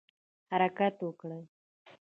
حرکت وکړ.